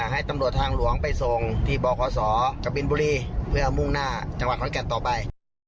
ให้ตำรวจทางหลวงไปส่งที่บคศกบินบุรีเพื่อมุ่งหน้าจังหวัดขอนแก่นต่อไป